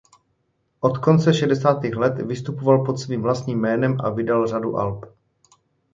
Od konce šedesátých let vystupoval pod svým vlastním jménem a vydal řadu alb.